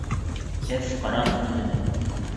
Ф. ҠАРАНОВ төҙөнө.